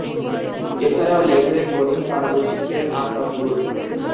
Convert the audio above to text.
এছাড়াও, leg break বোলিংয়ে পারদর্শী ছিলেন আফতাব গুল।